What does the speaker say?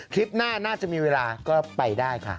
คลิปหน้าน่าจะมีเวลาก็ไปได้ค่ะ